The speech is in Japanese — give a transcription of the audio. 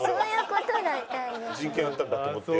人権あったんだって思って。